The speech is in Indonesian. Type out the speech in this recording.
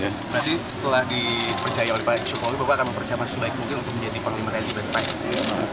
jadi setelah dipercaya oleh pak jokowi bapak akan mempersiapkan sebaik mungkin untuk menjadi panglima rally band lima